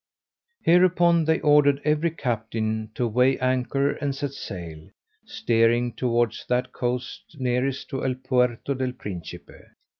Hereupon they ordered every captain to weigh anchor and set sail, steering towards that coast nearest to El Puerto del Principe.